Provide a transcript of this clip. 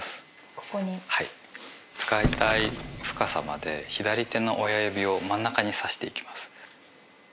ここにはい使いたい深さまで左手の親指を真ん中に刺していきます